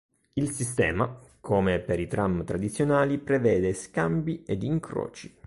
Il sistema, come per i tram tradizionali, prevede scambi ed incroci.